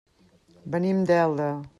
Venim d'Elda.